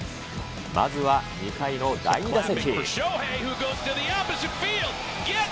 まずは２回の第２打席。